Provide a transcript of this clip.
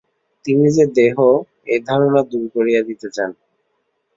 তিনি যে দেহ, এই ধারণা দূর করিয়া দিতে চান।